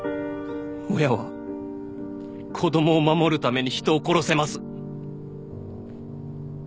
親は子供を守るために人を殺せます。